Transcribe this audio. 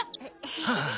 はあ。